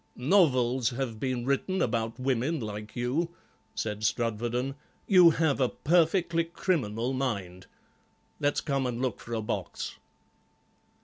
"Novels have been written about women like you," said Strudwarden; "you have a perfectly criminal mind. Let's come and look for a box."